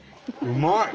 うまい！